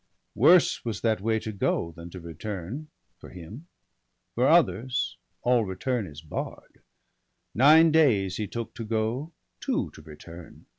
Worse was that way to go than to return, For him ;— for others all return is barr'd. Nine days he took to go, two to return.